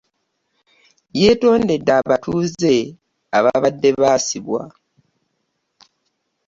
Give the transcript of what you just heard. Yeetondedde abatuuze abaabadde baasibwa.